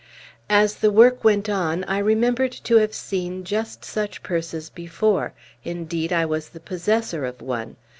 As the work went on, I remembered to have seen just such purses before; indeed, I was the possessor of one.